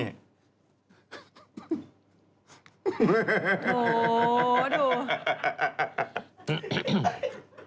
โอ้โฮดู